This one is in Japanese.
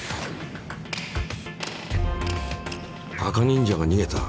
赤忍者がにげた。